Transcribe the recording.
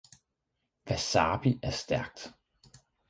Wasabi er stærkt